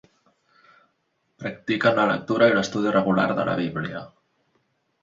Practiquen la lectura i l'estudi regular de la Bíblia.